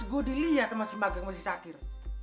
gue dilihat masih bageng masih sakir